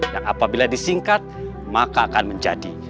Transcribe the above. yang apabila disingkat maka akan menjadi